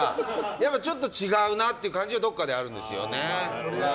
やっぱりちょっと違うなって感じがどこかであるんですよね。